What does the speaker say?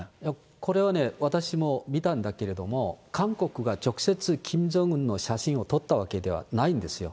これはね、私も見たんだけれども、韓国が直接キム・ジョンウンの写真を撮ったわけではないんですよ。